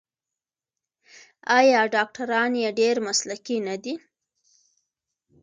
آیا ډاکټران یې ډیر مسلکي نه دي؟